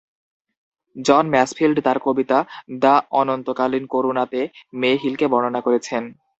জন Masefield তার কবিতা "the অনন্তকালীন করুণা"তে মে হিলকে বর্ণনা করেছেন।